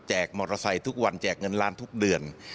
มอเตอร์ไซค์ทุกวันแจกเงินล้านทุกเดือน